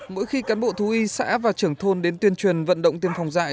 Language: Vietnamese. mỗi khi cán bộ thú y xã và trưởng thôn đến tuyên truyền vận động tiêm phòng dạy